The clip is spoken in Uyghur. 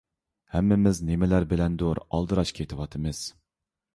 ھەممىمىز نېمىلەر بىلەندۇر ئالدىراش كېتىۋاتىمىز.